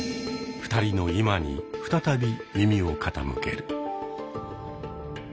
２人の今に再び耳を傾ける。